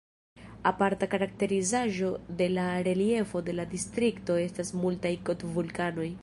Aparta karakterizaĵo de la reliefo de la distrikto estas multaj kot-vulkanoj.